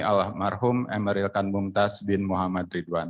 almarhum emeril khan mumtaz bin muhammad ridwan kamin